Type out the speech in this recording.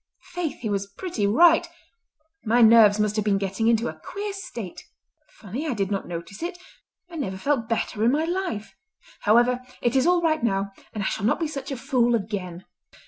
Faith, he was pretty right! My nerves must have been getting into a queer state. Funny I did not notice it. I never felt better in my life. However, it is all right now, and I shall not be such a fool again."